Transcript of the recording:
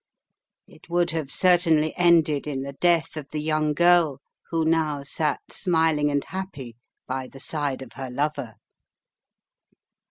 It would have cer tainly ended in the death of the young girl who now sat smiling and happy by the side of her lover.